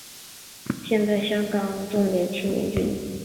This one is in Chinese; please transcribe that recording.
现教香港荃湾区重点青年军。